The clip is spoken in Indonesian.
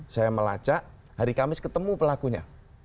saya melacak hari kamis ketemu pelakunya